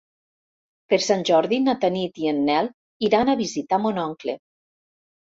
Per Sant Jordi na Tanit i en Nel iran a visitar mon oncle.